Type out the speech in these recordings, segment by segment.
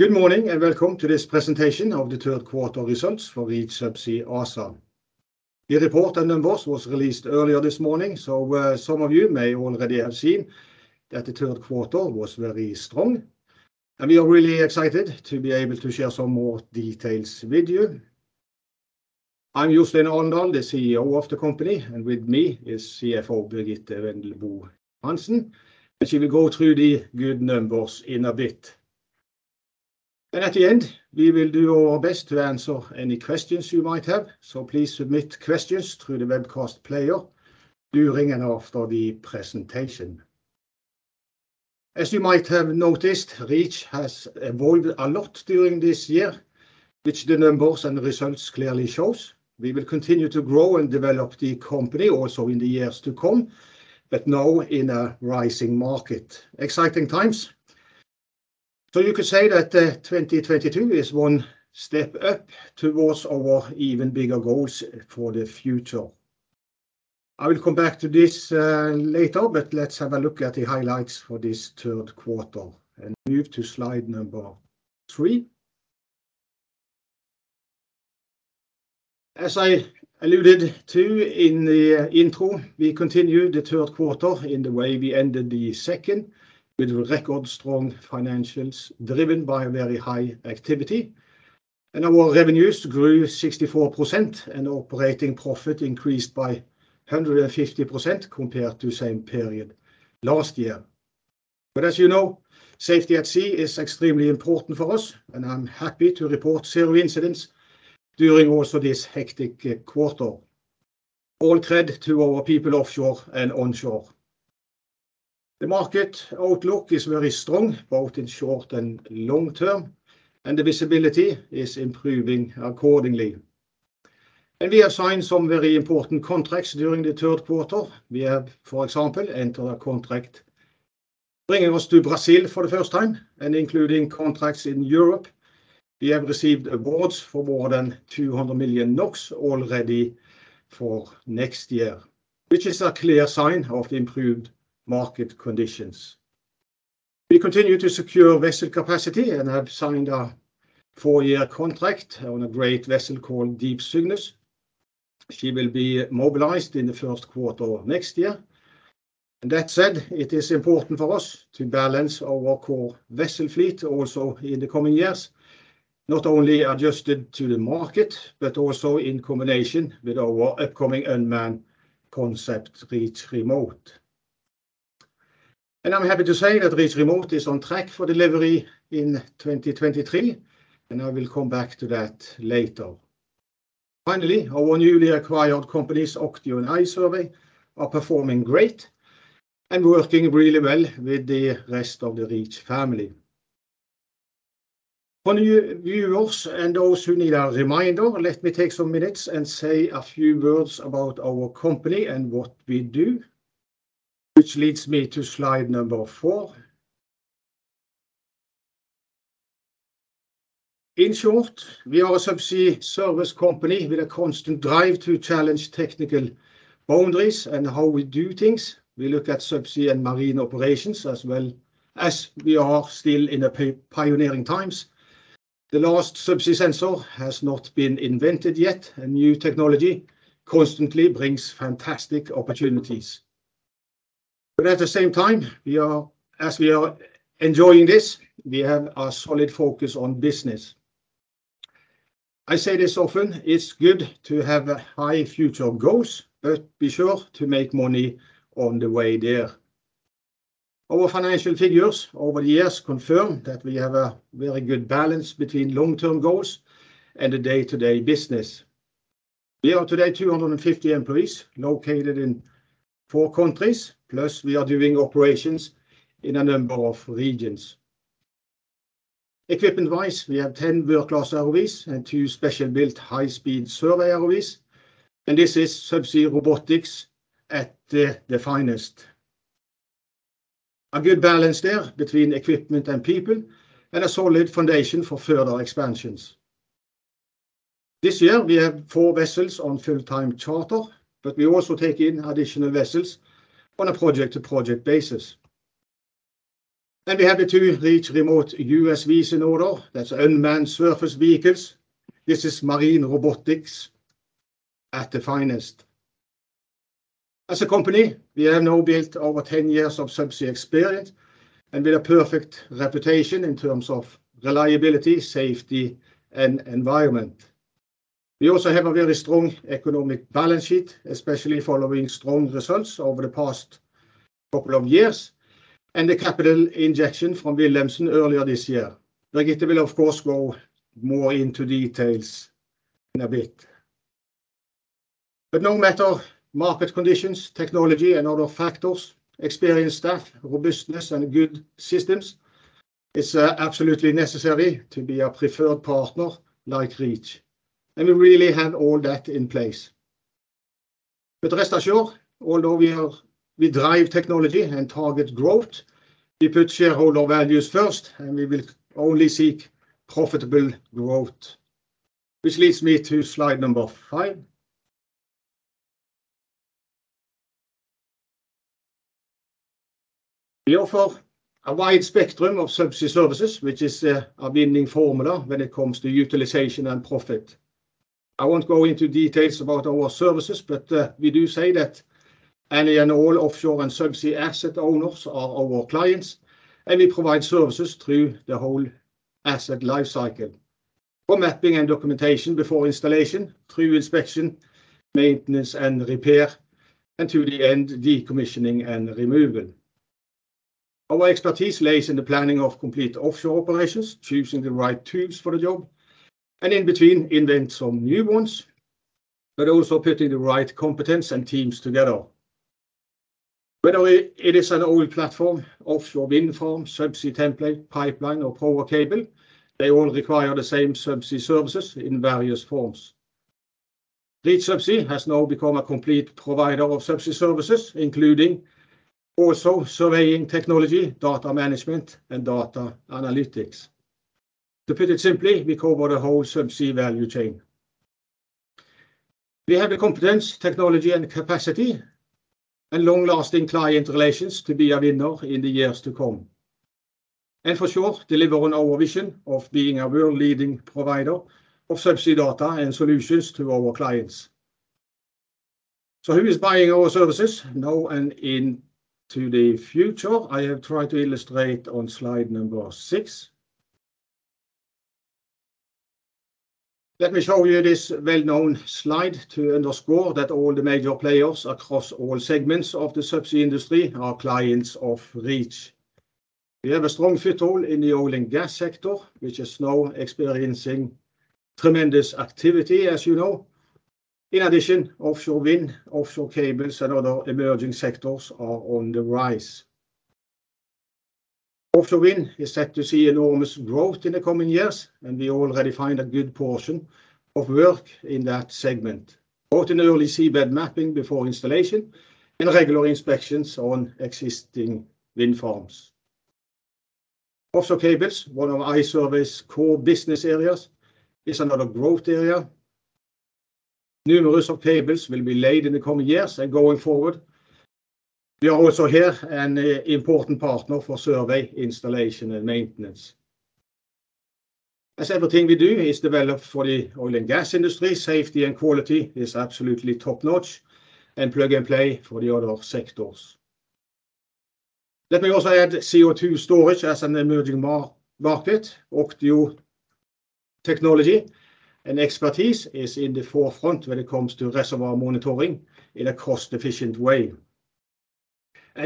Good morning, and welcome to this presentation of the third quarter results for Reach Subsea ASA. The report and numbers was released earlier this morning, so, some of you may already have seen that the third quarter was very strong, and we are really excited to be able to share some more details with you. I'm Jostein Alendal, the CEO of the company, and with me is CFO Birgitte Wendelbo Johansen, and she will go through the good numbers in a bit. At the end, we will do our best to answer any questions you might have. Please submit questions through the webcast player during and after the presentation. As you might have noticed, Reach has evolved a lot during this year, which the numbers and results clearly shows. We will continue to grow and develop the company also in the years to come, but now in a rising market. Exciting times. You could say that 2022 is one step up towards our even bigger goals for the future. I will come back to this later, but let's have a look at the highlights for this third quarter and move to slide number three. As I alluded to in the intro, we continued the third quarter in the way we ended the second, with record strong financials driven by very high activity, and our revenues grew 64% and operating profit increased by 150% compared to same period last year. As you know, safety at sea is extremely important for us, and I'm happy to report zero incidents during also this hectic quarter. All credit to our people offshore and onshore. The market outlook is very strong, both in short and long term, and the visibility is improving accordingly. We have signed some very important contracts during the third quarter. We have, for example, entered a contract bringing us to Brazil for the first time and including contracts in Europe. We have received awards for more than 200 million NOK already for next year, which is a clear sign of the improved market conditions. We continue to secure vessel capacity and have signed a four-year contract on a great vessel called Deep Cygnus. She will be mobilized in the first quarter of next year. That said, it is important for us to balance our core vessel fleet also in the coming years, not only adjusted to the market, but also in combination with our upcoming unmanned concept, Reach Remote. I'm happy to say that Reach Remote is on track for delivery in 2023, and I will come back to that later. Finally, our newly acquired companies, OCTIO and iSURVEY, are performing great and working really well with the rest of the Reach family. For new viewers and those who need a reminder, let me take some minutes and say a few words about our company and what we do. Leads me to slide number four. In short, we are a subsea service company with a constant drive to challenge technical boundaries and how we do things. We look at subsea and marine operations as well, as we are still in the pioneering times. The last subsea sensor has not been invented yet, and new technology constantly brings fantastic opportunities. At the same time, as we are enjoying this, we have a solid focus on business. I say this often, it's good to have high future goals, but be sure to make money on the way there. Our financial figures over the years confirm that we have a very good balance between long-term goals and the day-to-day business. We are today 250 employees located in four countries, plus we are doing operations in a number of regions. Equipment-wise, we have 10 world-class ROVs and two special-built high-speed survey ROVs, and this is subsea robotics at the finest. A good balance there between equipment and people, and a solid foundation for further expansions. This year we have four vessels on full-time charter, we also take in additional vessels on a project-to-project basis. We have the two Reach Remote USVs in order. That's Unmanned Surface Vehicles. This is marine robotics at the finest. As a company, we have now built over 10 years of subsea experience and with a perfect reputation in terms of reliability, safety, and environment. We also have a very strong economic balance sheet, especially following strong results over the past couple of years, and the capital injection from Wilhelmsen earlier this year. Birgitte will of course go more into details in a bit. No matter market conditions, technology, and other factors, experienced staff, robustness, and good systems, it's absolutely necessary to be a preferred partner like Reach, and we really have all that in place. Rest assure, although we drive technology and target growth, we put shareholder values first, and we will only seek profitable growth. Which leads me to slide number five. We offer a wide spectrum of subsea services, which is a winning formula when it comes to utilization and profit. I won't go into details about our services, but we do say that any and all offshore and subsea asset owners are our clients, and we provide services through the whole asset life cycle. From mapping and documentation before installation, through inspection, maintenance and repair, and to the end decommissioning and removal. Our expertise lies in the planning of complete offshore operations, choosing the right tools for the job, and in between invent some new ones, but also putting the right competence and teams together. Whether it is an oil platform, offshore wind farm, subsea template, pipeline or power cable, they all require the same subsea services in various forms. Reach Subsea has now become a complete provider of subsea services, including also surveying technology, data management and data analytics. To put it simply, we cover the whole subsea value chain. We have the competence, technology and capacity and long-lasting client relations to be a winner in the years to come. For sure, deliver on our vision of being a world leading provider of subsea data and solutions to our clients. Who is buying our services now and into the future? I have tried to illustrate on slide number six. Let me show you this well-known slide to underscore that all the major players across all segments of the subsea industry are clients of Reach. We have a strong foothold in the oil and gas sector, which is now experiencing tremendous activity, as you know. Offshore wind, offshore cables and other emerging sectors are on the rise. Offshore wind is set to see enormous growth in the coming years, and we already find a good portion of work in that segment. Both in the early seabed mapping before installation and regular inspections on existing wind farms. Offshore cables, one of iSURVEY core business areas, is another growth area. Numerous of cables will be laid in the coming years and going forward. We are also here an important partner for survey, installation and maintenance. As everything we do is developed for the oil and gas industry, safety and quality is absolutely top-notch and plug-and-play for the other sectors. Let me also add CO2 storage as an emerging market. OCTIO technology and expertise is in the forefront when it comes to reservoir monitoring in a cost-efficient way.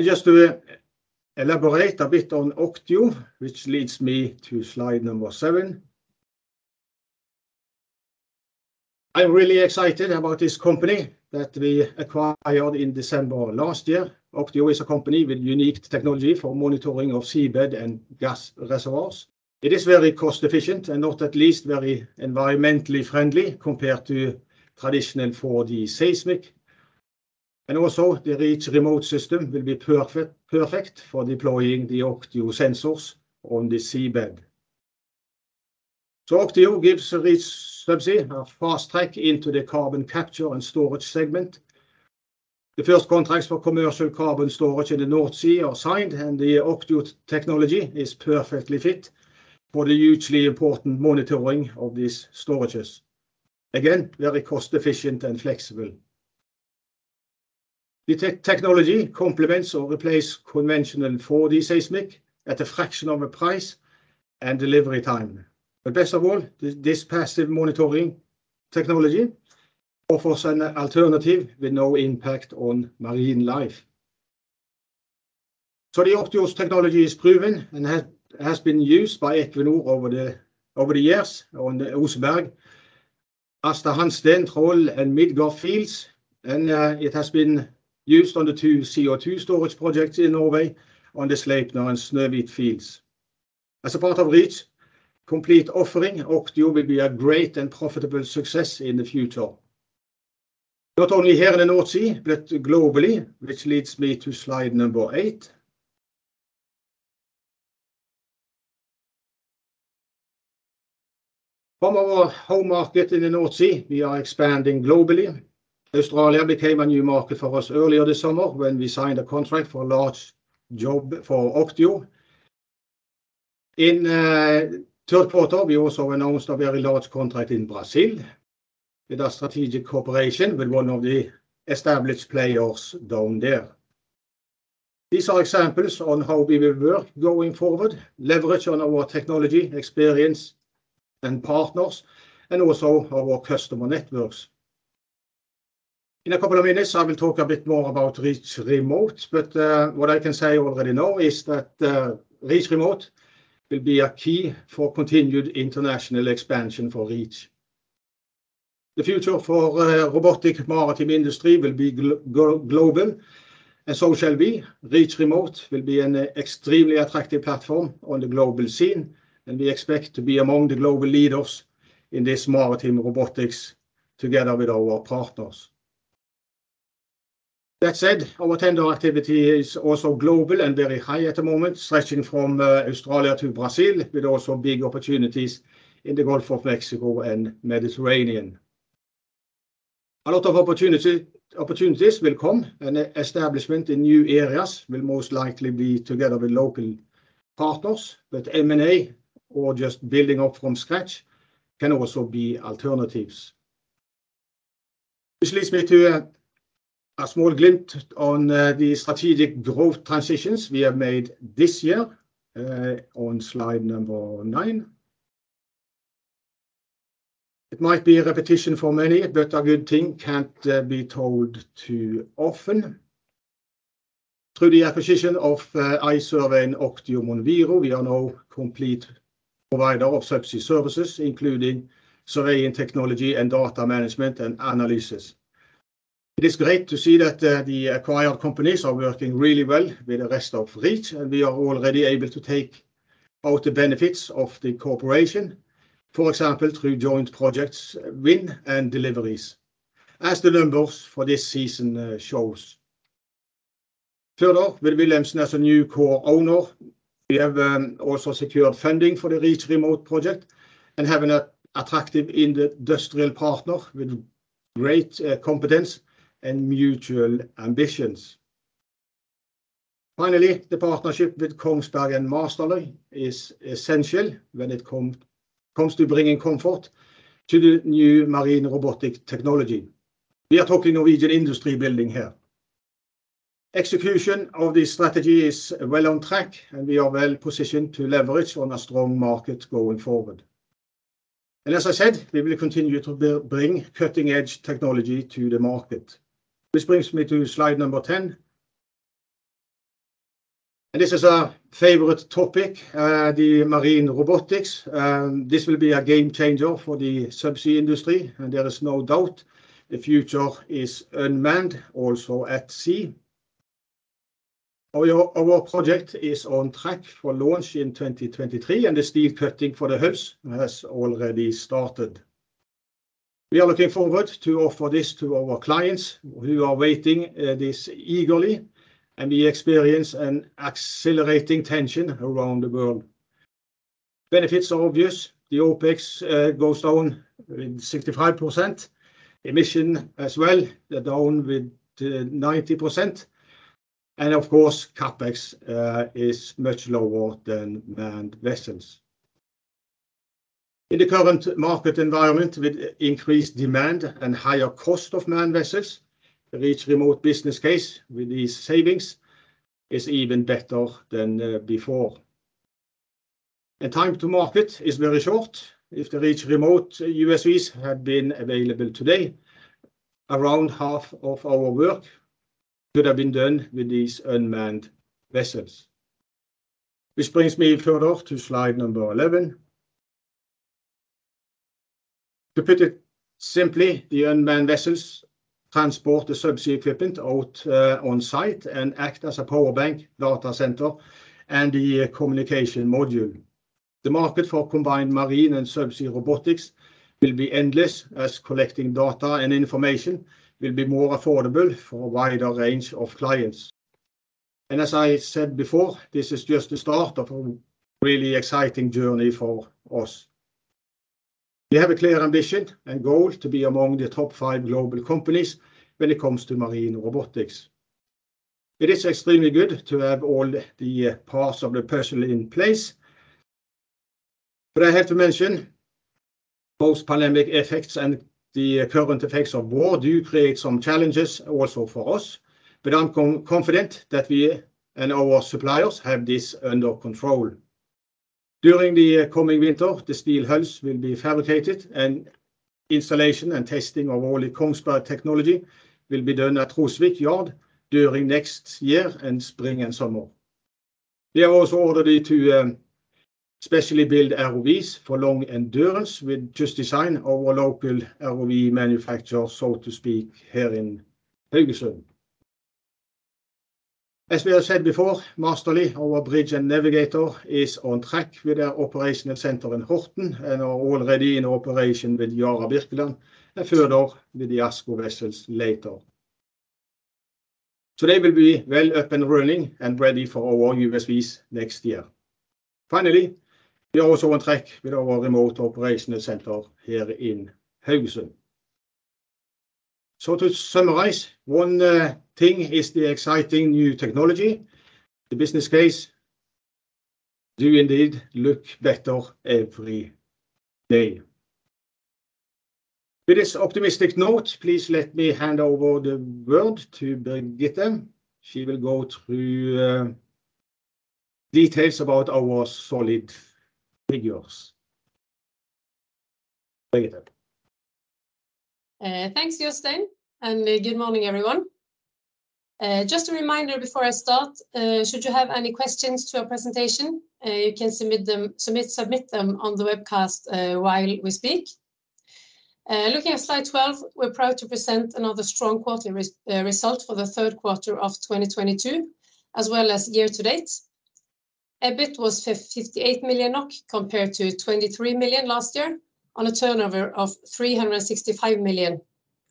Just to elaborate a bit on OCTIO, which leads me to slide number seven. I'm really excited about this company that we acquired in December last year. OCTIO is a company with unique technology for monitoring of seabed and gas reservoirs. It is very cost efficient and not at least very environmentally friendly compared to traditional 4D seismic. Also, the Reach Remote system will be perfect for deploying the OCTIO sensors on the seabed. OCTIO gives Reach Subsea a fast track into the carbon capture and storage segment. The first contracts for commercial carbon storage in the North Sea are signed, and the OCTIO technology is perfectly fit for the hugely important monitoring of these storages. Again, very cost efficient and flexible. The technology complements or replace conventional 4D seismic at a fraction of a price and delivery time. Best of all, this passive monitoring technology offers an alternative with no impact on marine life. The OCTIO technology is proven and has been used by Equinor over the years on the Oseberg, Aasta Hansteen, Troll and Midgard fields, and it has been used on the two CO2 storage projects in Norway on the Sleipner and Snøhvit fields. As a part of Reach complete offering, OCTIO will be a great and profitable success in the future, not only here in the North Sea, but globally, which leads me to slide number eight. From our home market in the North Sea, we are expanding globally. Australia became a new market for us earlier this summer when we signed a contract for a large job for OCTIO. In the third quarter, we also announced a very large contract in Brazil with a strategic cooperation with one of the established players down there. These are examples on how we will work going forward, leverage on our technology, experience and partners, and also our customer networks. In a couple of minutes, I will talk a bit more about Reach Remote, but what I can say already now is that Reach Remote will be a key for continued international expansion for Reach. The future for robotic maritime industry will be global, so shall we. Reach Remote will be an extremely attractive platform on the global scene, we expect to be among the global leaders in this maritime robotics together with our partners. That said, our tender activity is also global and very high at the moment, stretching from Australia to Brazil, with also big opportunities in the Gulf of Mexico and Mediterranean. A lot of opportunities will come, and establishment in new areas will most likely be together with local partners. M&A or just building up from scratch can also be alternatives. Which leads me to a small glimpse on the strategic growth transitions we have made this year, on slide number nine. It might be a repetition for many, but a good thing can't be told too often. Through the acquisition of iSURVEY and OCTIO Monviro, we are now complete provider of subsea services including survey and technology and data management and analysis. It is great to see that the acquired companies are working really well with the rest of Reach, and we are already able to take all the benefits of the corporation. Through joint projects win and deliveries as the numbers for this season shows. With Wilhelmsen as a new core owner, we have also secured funding for the Reach Remote project and have an attractive industrial partner with great competence and mutual ambitions. The partnership with Kongsberg and Massterly is essential when it comes to bringing comfort to the new marine robotic technology. We are talking Norwegian industry building here. Execution of this strategy is well on track, and we are well positioned to leverage on a strong market going forward. As I said, we will continue to bring cutting-edge technology to the market. This brings me to slide number 10. This is our favorite topic, the marine robotics. This will be a game changer for the subsea industry, and there is no doubt the future is unmanned also at sea. Our project is on track for launch in 2023, and the steel cutting for the hulls has already started. We are looking forward to offer this to our clients who are waiting this eagerly, and we experience an accelerating tension around the world. Benefits are obvious. The OpEx goes down in 65%. Emission as well, they're down with 90%. Of course, CapEx is much lower than manned vessels. In the current market environment with increased demand and higher cost of manned vessels, the Reach Remote business case with these savings is even better than before. Time to market is very short. If the Reach Remote USVs had been available today, around half of our work could have been done with these unmanned vessels. This brings me further to slide number 11. To put it simply, the unmanned vessels transport the subsea equipment out on site and act as a power bank, data center, and the communication module. The market for combined marine and subsea robotics will be endless as collecting data and information will be more affordable for a wider range of clients. As I said before, this is just the start of a really exciting journey for us. We have a clear ambition and goal to be among the top five global companies when it comes to marine robotics. It is extremely good to have all the parts of the puzzle in place, but I have to mention post-pandemic effects and the current effects of war do create some challenges also for us. I'm confident that we and our suppliers have this under control. During the coming winter, the steel hulls will be fabricated, and installation and testing of all the Kongsberg technology will be done at Trosvik Yard during next year and spring and summer. We have also ordered two specially build ROVs for long endurance with Kystdesign our local ROV manufacturer, so to speak, here in Haugesund. As we have said before, Massterly, our bridge and navigator, is on track with their operational center in Horten and are already in operation with Yara Birkeland and further with the ASKO vessels later. They will be well up and running and ready for our USVs next year. Finally, we are also on track with our remote operational center here in Haugesund. To summarize, 1 thing is the exciting new technology. The business case do indeed look better every day. With this optimistic note, please let me hand over the word to Birgitte. She will go through details about our solid figures. Birgitte? Thanks, Jostein, and good morning, everyone. Just a reminder before I start, should you have any questions to our presentation, you can submit them on the webcast while we speak. Looking at slide 12, we're proud to present another strong quarterly result for the third quarter of 2022 as well as year to date. EBIT was 58 million NOK compared to 23 million last year on a turnover of 365 million,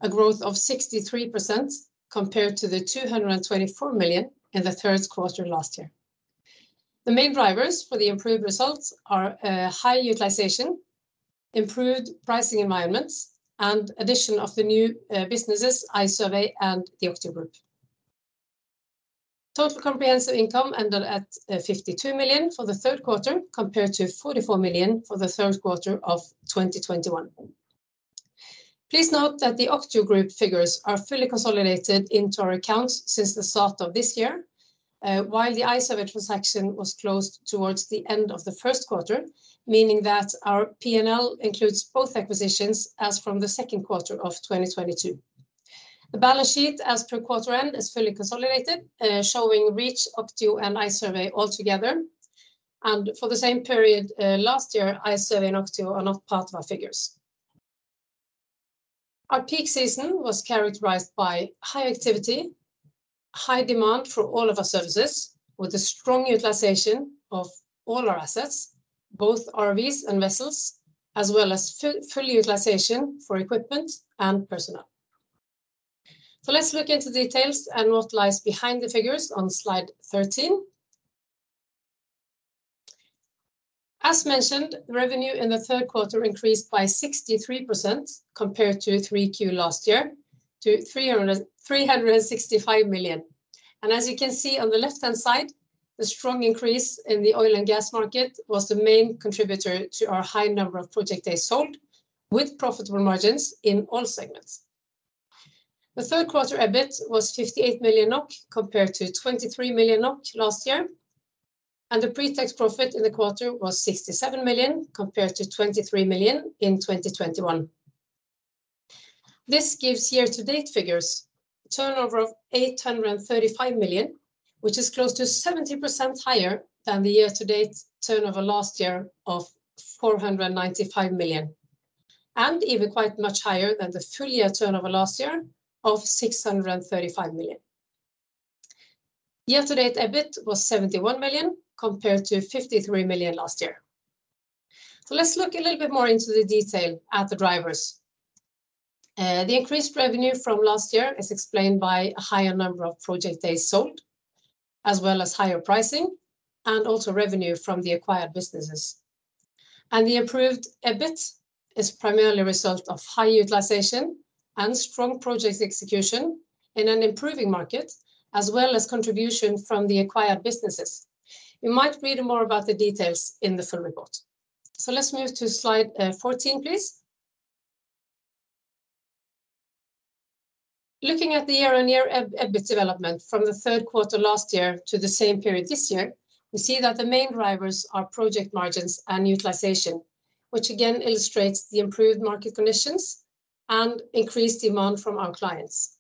a growth of 63% compared to the 224 million in the third quarter last year. The main drivers for the improved results are high utilization, improved pricing environments, and addition of the new businesses, iSURVEY and the OCTIO Group. Total comprehensive income ended at 52 million for the third quarter, compared to 44 million for the third quarter of 2021. Please note that the OCTIO Group figures are fully consolidated into our accounts since the start of this year, while the iSURVEY transaction was closed towards the end of the first quarter, meaning that our P&L includes both acquisitions as from the second quarter of 2022. The balance sheet as per quarter end is fully consolidated, showing Reach subsea, OCTIO, and iSURVEY all together, and for the same period last year, iSURVEY and OCTIO are not part of our figures. Our peak season was characterized by high activity, high demand for all of our services, with a strong utilization of all our assets, both ROVs and vessels, as well as full utilization for equipment and personnel. Let's look into details and what lies behind the figures on slide 13. As mentioned, revenue in the third quarter increased by 63% compared to 3Q last year to 365 million. As you can see on the left-hand side, the strong increase in the oil and gas market was the main contributor to our high number of project days sold, with profitable margins in all segments. The third quarter EBIT was 58 million NOK compared to 23 million NOK last year, and the pre-tax profit in the quarter was 67 million compared to 23 million in 2021. This gives year-to-date figures turnover of 835 million, which is close to 17% higher than the year-to-date turnover last year of 495 million, and even quite much higher than the full year turnover last year of 635 million. Year-to-date EBIT was 71 million compared to 53 million last year. Let's look a little bit more into the detail at the drivers. The increased revenue from last year is explained by a higher number of project days sold, as well as higher pricing, and also revenue from the acquired businesses. The improved EBIT is primarily a result of high utilization and strong project execution in an improving market, as well as contribution from the acquired businesses. You might read more about the details in the full report. Let's move to slide 14, please. Looking at the year-on-year EBIT development from the third quarter last year to the same period this year, we see that the main drivers are project margins and utilization, which again illustrates the improved market conditions and increased demand from our clients.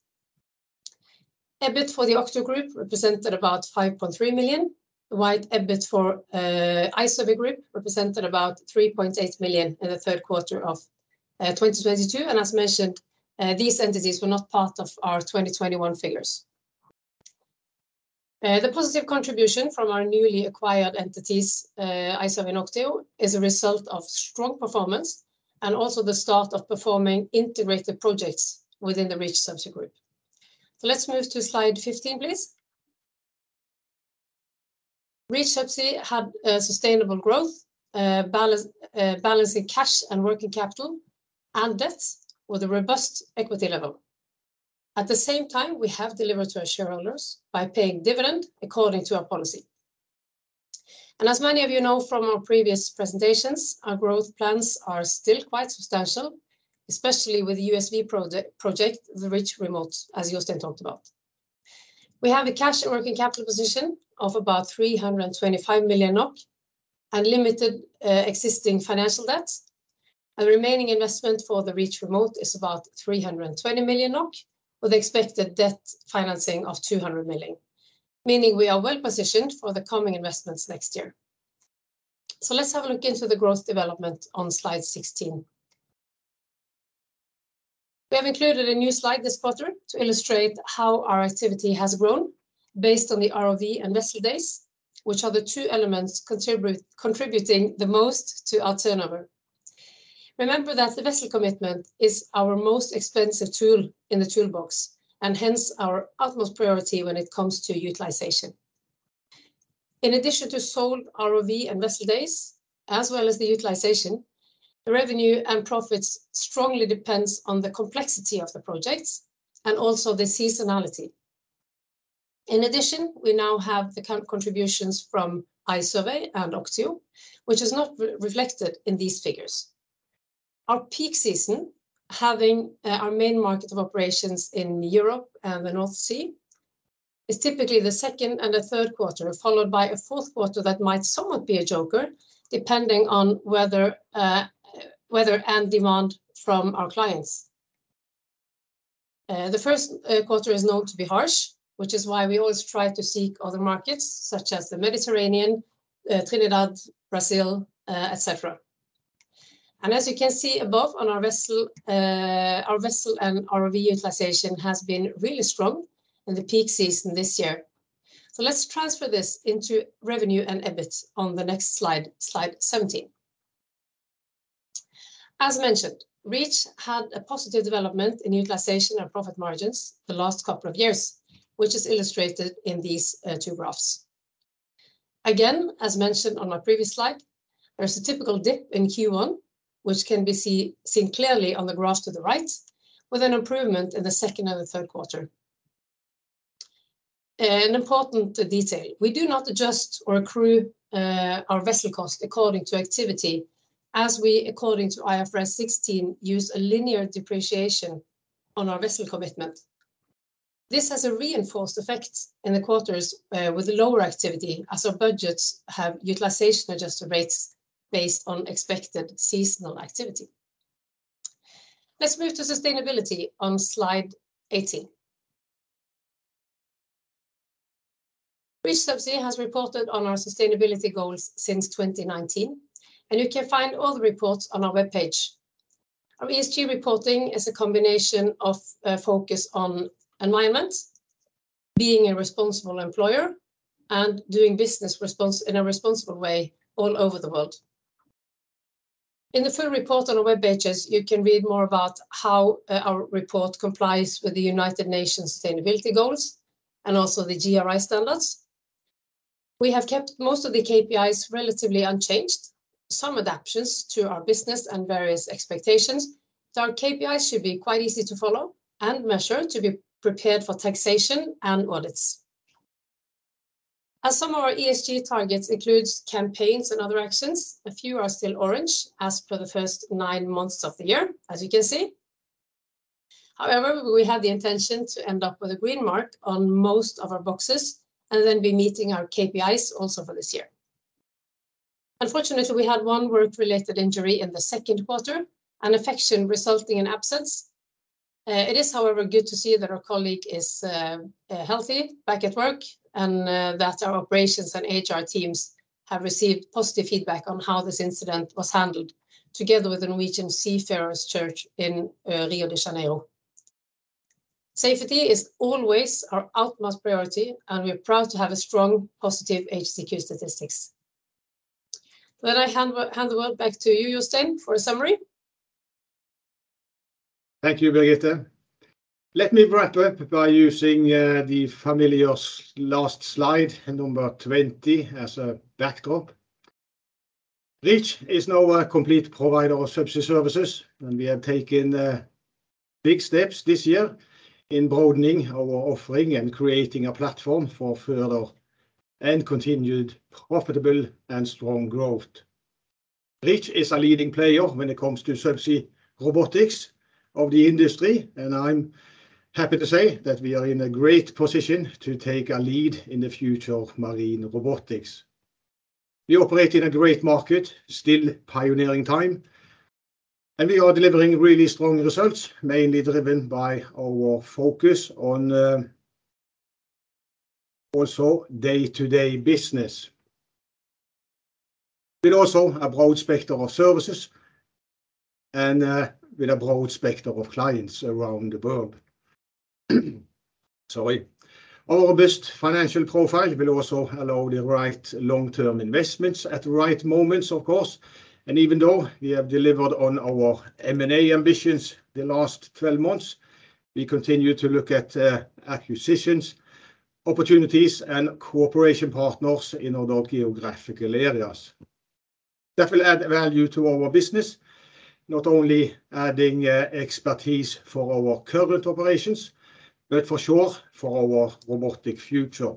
EBIT for the OCTIO Group represented about 5.3 million, while EBIT for iSURVEY Group represented about 3.8 million in the third quarter of 2022. As mentioned, these entities were not part of our 2021 figures. The positive contribution from our newly acquired entities, iSURVEY and OCTIO, is a result of strong performance and also the start of performing integrated projects within the Reach Subsea Group. Let's move to slide 15, please. Reach Subsea had sustainable growth, balancing cash and working capital and debts with a robust equity level. At the same time, we have delivered to our shareholders by paying dividend according to our policy. As many of you know from our previous presentations, our growth plans are still quite substantial, especially with the USV project, the Reach Remote, as Jostein talked about. We have a cash and working capital position of about 325 million NOK and limited existing financial debt. Our remaining investment for the Reach Remote is about 320 million NOK, with expected debt financing of 200 million, meaning we are well positioned for the coming investments next year. Let's have a look into the growth development on slide 16. We have included a new slide this quarter to illustrate how our activity has grown based on the ROV and vessel days, which are the two elements contributing the most to our turnover. Remember that the vessel commitment is our most expensive tool in the toolbox, hence our utmost priority when it comes to utilization. In addition to sold ROV and vessel days, as well as the utilization, the revenue and profits strongly depends on the complexity of the projects the seasonality. In addition, we now have the count contributions from iSURVEY and OCTIO, which is not re-reflected in these figures. Our peak season, having our main market of operations in Europe and the North Sea, is typically the second and third quarter, followed by a fourth quarter that might somewhat be a joker, depending on weather and demand from our clients. The first quarter is known to be harsh, which is why we always try to seek other markets, such as the Mediterranean, Trinidad, Brazil, et cetera. As you can see above on our vessel, our vessel and ROV utilization has been really strong in the peak season this year. Let's transfer this into revenue and EBIT on the next slide 17. As mentioned, Reach Subsea had a positive development in utilization and profit margins the last couple of years, which is illustrated in these two graphs. As mentioned on my previous slide, there's a typical dip in Q1 which can be seen clearly on the graphs to the right, with an improvement in the second and the third quarter. An important detail, we do not adjust or accrue our vessel cost according to activity as we, according to IFRS 16, use a linear depreciation on our vessel commitment. This has a reinforced effect in the quarters with lower activity as our budgets have utilization adjusted rates based on expected seasonal activity. Let's move to sustainability on slide 18. Reach Subsea has reported on our sustainability goals since 2019. You can find all the reports on our webpage. Our ESG reporting is a combination of a focus on environment, being a responsible employer, and doing business in a responsible way all over the world. In the full report on our webpages, you can read more about how our report complies with the United Nations sustainability goals and also the GRI standards. We have kept most of the KPIs relatively unchanged. Some adaptations to our business and various expectations. Our KPIs should be quite easy to follow and measure to be prepared for taxation and audits. As some of our ESG targets include campaigns and other actions, a few are still orange as per the first nine months of the year, as you can see. However, we have the intention to end up with a green mark on most of our boxes and then be meeting our KPIs also for this year. Unfortunately, we had one work-related injury in the second quarter, an infection resulting in absence. It is however good to see that our colleague is healthy, back at work and that our operations and HR teams have received positive feedback on how this incident was handled together with the Norwegian Seafarers' Church in Rio de Janeiro. Safety is always our utmost priority, and we are proud to have a strong, positive HSEQ statistics. Let I hand the world back to you, Jostein for a summary. Thank you, Birgitte. Let me wrap up by using the familiar last slide, number 20, as a backdrop. Reach is now a complete provider of subsea services. We have taken big steps this year in broadening our offering and creating a platform for further and continued profitable and strong growth. Reach is a leading player when it comes to subsea robotics of the industry. I'm happy to say that we are in a great position to take a lead in the future of marine robotics. We operate in a great market, still pioneering time. We are delivering really strong results, mainly driven by our focus on also day-to-day business, with also a broad spectrum of services and with a broad spectrum of clients around the world. Sorry. Our robust financial profile will also allow the right long-term investments at the right moments, of course. Even though we have delivered on our M&A ambitions the last 12 months, we continue to look at acquisitions, opportunities and cooperation partners in other geographical areas that will add value to our business, not only adding expertise for our current operations, but for sure for our robotic future.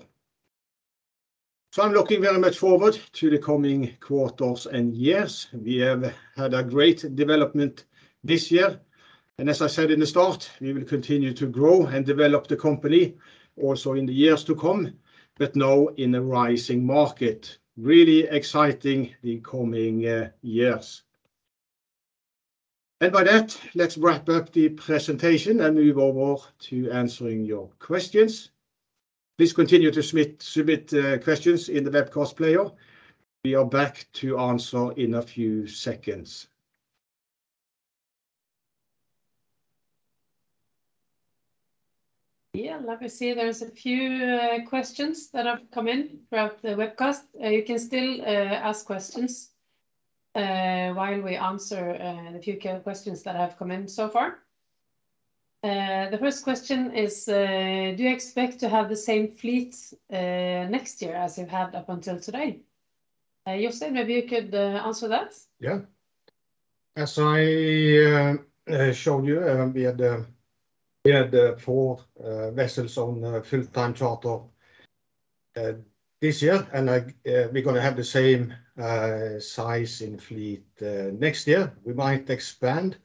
I'm looking very much forward to the coming quarters and years. We have had a great development this year and as I said in the start, we will continue to grow and develop the company also in the years to come, but now in a rising market. Really exciting the coming years. By that, let's wrap up the presentation and move over to answering your questions. Please continue to submit questions in the webcast player. We are back to answer in a few seconds. Yeah. Let me see. There's a few questions that have come in throughout the webcast. You can still ask questions while we answer the few questions that have come in so far. The first question is, do you expect to have the same fleet next year as you've had up until today? Jostein Alendal, maybe you could answer that. Yeah. As I showed you, we had four vessels on full time charter this year. We're gonna have the same size in fleet next year. We might expand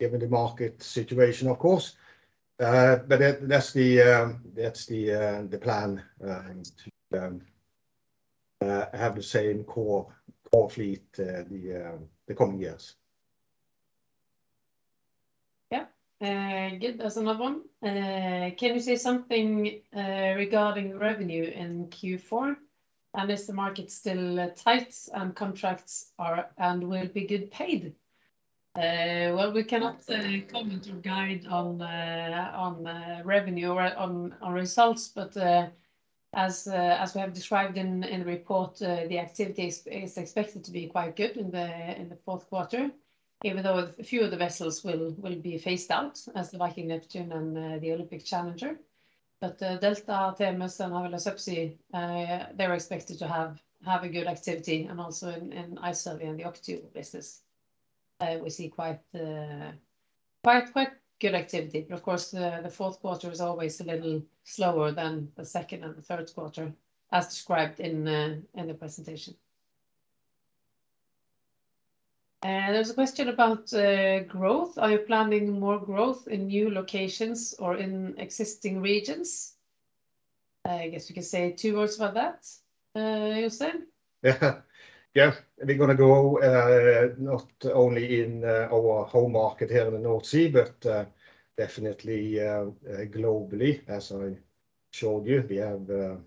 given the market situation of course. That's the plan to have the same core fleet the coming years. Yeah. Good. There's another one. Can you say something regarding revenue in Q4? Is the market still tight and contracts are and will be get paid? Well, we cannot comment or guide on revenue or on results but as we have described in the report, the activity is expected to be quite good in the fourth quarter, even though a few of the vessels will be phased out as the Viking Neptune and the Olympic Challenger. Olympic Delta and Havila Subsea, they're expected to have a good activity. Also in iSURVEY and the OCTIO business, we see quite good activity. Of course, the fourth quarter is always a little slower than the second and the third quarter, as described in the presentation. There was a question about growth. Are you planning more growth in new locations or in existing regions? I guess you can say two words about that, Jostein. Yeah. Yeah. We're gonna go not only in our home market here in the North Sea, but definitely globally. As I showed you, we have the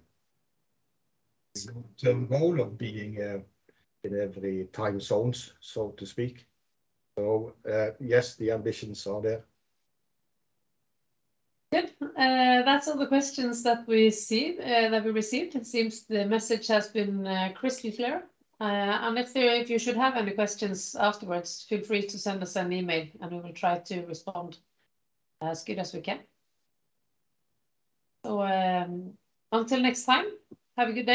goal of being in every time zones, so to speak. Yes, the ambitions are there. Good. That's all the questions that we received. It seems the message has been crystal clear. If you should have any questions afterwards, feel free to send us an email and we will try to respond as good as we can. Until next time, have a good day.